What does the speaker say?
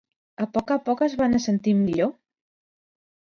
A poc a poc es va anar sentint millor?